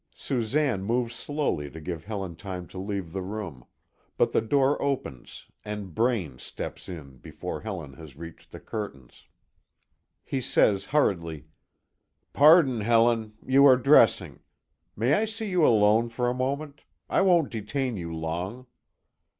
Susanne moves slowly to give Helen time to leave the room; but the door opens and Braine steps in before Helen has reached the curtains. He says hurriedly: "Pardon, Helen! You are dressing? May I see you alone for a moment? I won't detain you long."